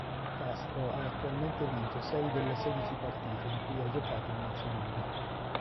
Castro ha attualmente vinto sei delle sedici partite in cui ha giocato in nazionale.